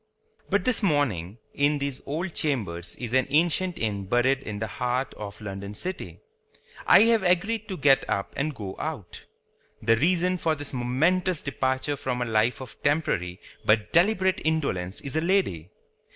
But this morning, in these old Chambers in an ancient Inn buried in the heart of London City, I have agreed to get up and go out. The reason for this momentous departure from a life of temporary but deliberate indolence is a lady.